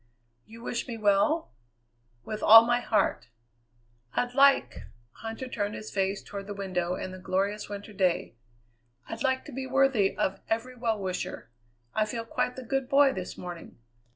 "You wish me well?" "With all my heart." "I'd like" Huntter turned his face toward the window and the glorious winter day "I'd like to be worthy of every well wisher. I feel quite the good boy this morning.